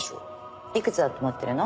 いくつだと思ってるの？